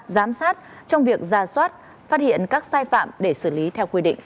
giám sát trong việc ra soát phát hiện các sai phạm để xử lý theo quy định